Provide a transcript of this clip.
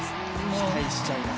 期待しちゃいます。